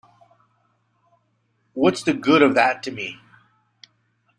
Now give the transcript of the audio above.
What's the good of that to me?